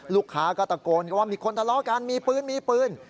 ลูกค้าก็ตะโกนก็ว่ามีคนทะเลาะกันมีปืนมีปืน